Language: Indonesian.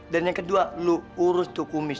dan yang kedua lu urus tuh kumis